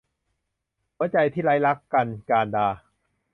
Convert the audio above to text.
หัวใจที่ไร้รัก - กันย์ กานดา